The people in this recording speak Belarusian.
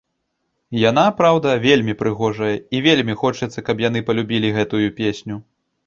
Яна, праўда, вельмі прыгожая, і вельмі хочацца, каб яны палюбілі гэтую песню.